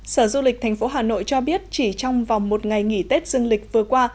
sở du lịch thành phố hà nội cho biết chỉ trong vòng một ngày nghỉ tết dương lịch vừa qua